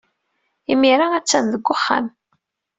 Imir-a, attan deg uxxam.